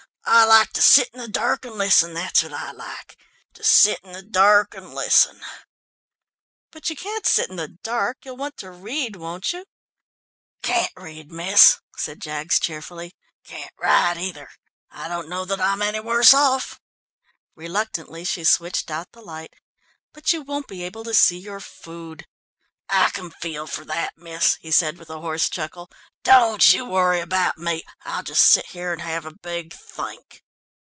"I like to sit in the dark and listen, that's what I like, to sit in the dark and listen." "But you can't sit in the dark, you'll want to read, won't you?" "Can't read, miss," said Jaggs cheerfully. "Can't write, either. I don't know that I'm any worse off." Reluctantly she switched out the light. "But you won't be able to see your food." "I can feel for that, miss," he said with a hoarse chuckle. "Don't you worry about me. I'll just sit here and have a big think."